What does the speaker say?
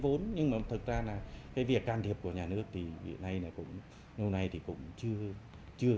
vốn nhưng mà thực ra là cái việc can thiệp của nhà nước thì hiện nay là cũng lúc này thì cũng chưa chưa